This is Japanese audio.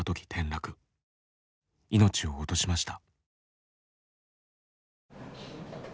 いのちを落としました。